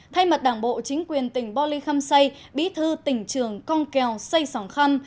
thay mặt đảng bộ chính quyền tỉnh bò lì khăm xây bí thư tỉnh trường con kèo xây sòng khăn